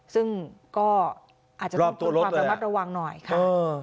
ซึ่งก็อาจจะต้องตรวจความระมัดระวังหน่อยค่ะ